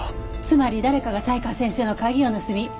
つまり誰かが才川先生の鍵を盗み